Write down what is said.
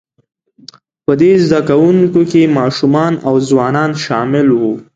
په دې زده کوونکو کې ماشومان او ځوانان شامل وو،